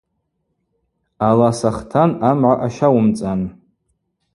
Ала сахтан амгӏа ащауымцӏан.